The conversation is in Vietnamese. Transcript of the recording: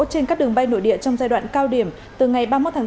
trên các đường bay nội địa trong giai đoạn cao điểm từ ngày ba mươi một tháng bốn